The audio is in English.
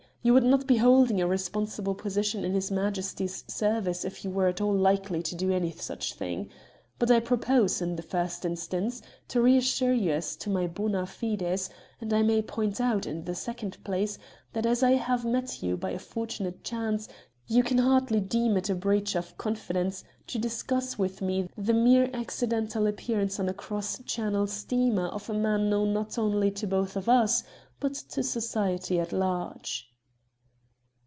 You would not be holding a responsible position in His Majesty's service if you were at all likely to do any such thing. But I propose, in the first instance, to reassure you as to my bona fides, and I may point out, in the second place, that as I have met you by a fortunate chance, you can hardly deem it a breach of confidence to discuss with me the mere accidental appearance on a cross Channel steamer of a man known not only to both of us, but to society at large."